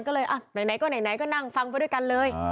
ก็เลยอ่ะไหนก็ไหนก็นั่งฟังไปด้วยกันเลย